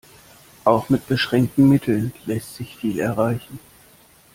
Auch mit beschränkten Mitteln lässt sich viel erreichen.